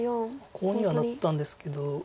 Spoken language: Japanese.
コウにはなったんですけど。